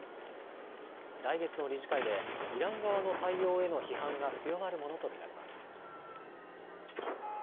来月の理事会でイラン側の対応への批判が強まるものと見られます。